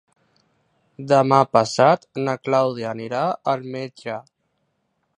Demà passat na Clàudia anirà al metge.